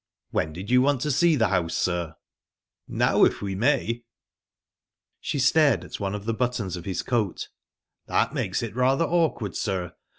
"When did you want to see the house, sir?" "Now, if we may." She stared at one of the buttons of his coat. "That makes it rather awkward, sir.